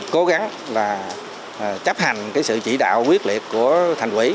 cố gắng là chấp hành cái sự chỉ đạo quyết liệt của thành quỹ